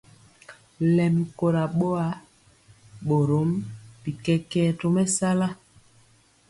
Lɛmi kora boa, borom bi kɛkɛɛ tɔ mesala.